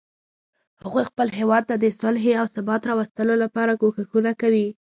هغوی خپل هیواد ته د صلحې او ثبات راوستلو لپاره کوښښونه کوي